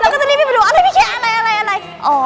แล้วก็จะรีบไปดูอะไรพี่แคลร์อะไร